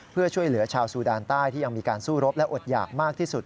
เพื่อช่วยเหลือชาวซูดานใต้ที่ยังมีการสู้รบและอดหยากมากที่สุด